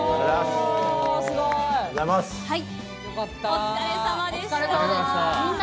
お疲れさまでした！